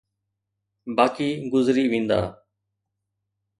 باقي گذري ويندا.